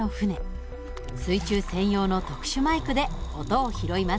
水中専用の特殊マイクで音を拾います。